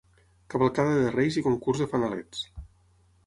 Cavalcada de Reis i concurs de fanalets.